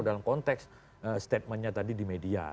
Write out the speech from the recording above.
dalam konteks statement nya tadi di media